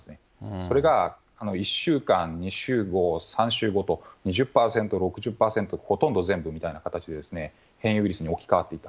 それが１週間、２週後、３週ごと、２０％、６０％、ほとんど全部みたいな形で、変異ウイルスに置き換わっていた。